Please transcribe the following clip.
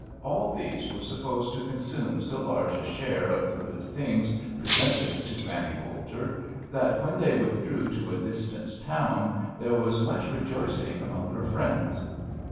All these were supposed to consume so large a share of the good things presented to Granny Bolter that when they withdrew to a distant town there was much rejoicing among her friends.